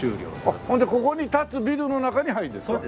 あっそれでここに建つビルの中に入るんですか？